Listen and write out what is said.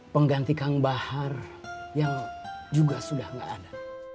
pengganti kang bahar yang juga sudah tidak ada